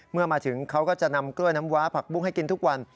เมื่อมาถึงเขาก็จะนำกล้วยน้ำว้าผักบุ้งให้กินทุกวัน